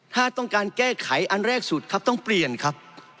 ถ้าต้องการแก้ไขอันแรกสุดครับต้องเปลี่ยนครับ